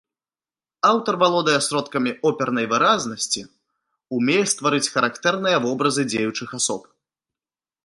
Аўтар валодае сродкамі опернай выразнасці, умее стварыць характэрныя вобразы дзеючых асоб.